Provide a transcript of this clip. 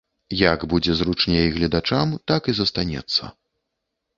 Як будзе зручней гледачам, так і застанецца.